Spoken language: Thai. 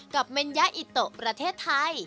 เมนยาอิโตประเทศไทย